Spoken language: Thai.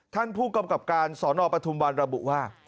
ท่านผู้กำกับการสนปทุมวันระบุว่า